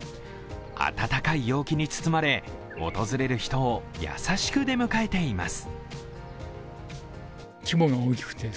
暖かい陽気に包まれ、訪れる人を優しく出迎えています。